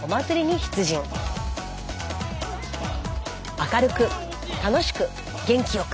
明るく楽しく元気よく。